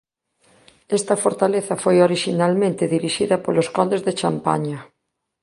Esta fortaleza foi orixinalmente dirixida polos condes de Champaña.